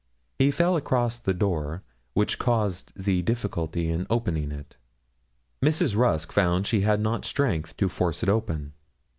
He fell across the door, which caused the difficulty in opening it. Mrs. Rusk found she had not strength to force it open.